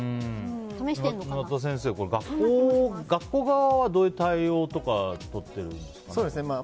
沼田先生、学校側はどういう対応とかとってるんですか？